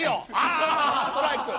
あストライク！